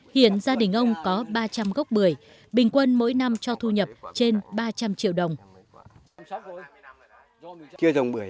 hiện gia đình ông có ba trăm linh gốc bưởi bình quân mỗi năm cho thu nhập trên ba trăm linh triệu đồng